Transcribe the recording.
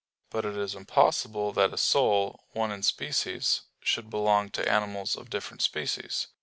But it is impossible that a soul, one in species, should belong to animals of different species.